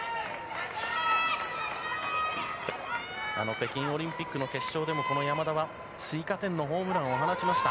北京オリンピックの決勝でもこの山田は追加点のホームランを放ちました。